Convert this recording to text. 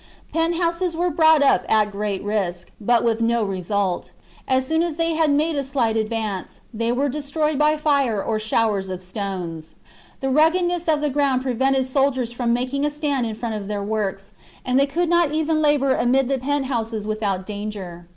Penthouses were brought up at great risk, but with no result; as soon as they had made a slight advance, they were destroyed by fire or showers of stones. The rug chap. gedness of the ground prevented the soldiers from making a stand in front of their works, and they could not even labour amid the penthouses without danger.